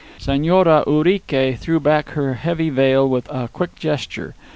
Señora Urique threw back her black veil with a quick gesture.